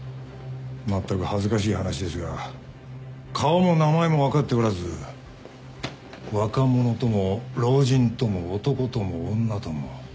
まったく恥ずかしい話ですが顔も名前も分かっておらず若者とも老人とも男とも女とも。